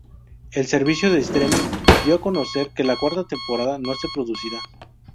El servicio de streaming dio a conocer que la cuarta temporada no se producirá.